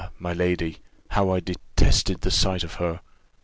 my lady, how I detested the sight of her!